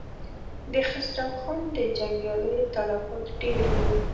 د خسرو خان د جنګياليو تلفات ډېر و.